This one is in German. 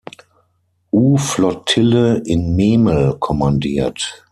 U-Flottille in Memel kommandiert.